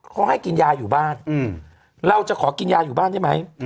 เขาให้กินยาอยู่บ้านเราจะขอกินยาอยู่บ้านได้ไหม